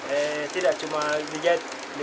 eh tidak cuma dijahit